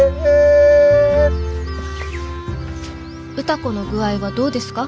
「歌子の具合はどうですか？